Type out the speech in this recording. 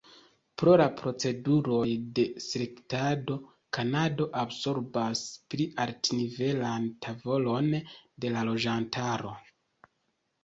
Pro la proceduroj de selektado, Kanado absorbas pli altnivelan tavolon de la loĝantaro.